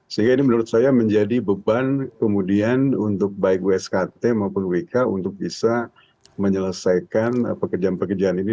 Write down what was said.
sehingga ini menurut saya menjadi beban kemudian untuk baik wskt maupun wk untuk bisa menyelesaikan pekerjaan pekerjaan ini